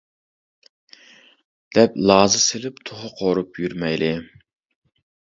دەپ لازا سېلىپ توخۇ قورۇپ يۈرمەيلى.